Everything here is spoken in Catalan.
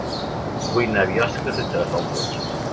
Vull anar a Biosca sense agafar el cotxe.